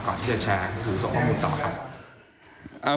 ก่อนที่จะแชร์ส่งข้อมูลต่อครับ